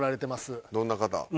どんな方？